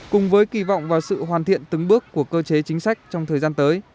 cùng với kỳ vọng và sự hoàn thiện từng bước của cơ chế chính sách trong thời gian tới